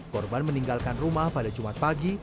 korban meninggalkan rumah pada jumat pagi